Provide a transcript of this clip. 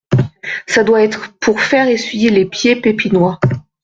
Ca doit être pour faire essuyer les pieds Pépinois.